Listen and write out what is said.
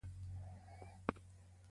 کورنۍ اقتصاد د میرمنو په لاس کې دی.